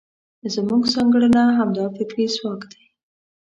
زموږ ځانګړنه همدا فکري ځواک دی.